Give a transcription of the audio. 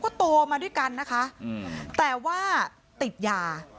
พี่น้องของผู้เสียหายแล้วเสร็จแล้วมีการของผู้เสียหาย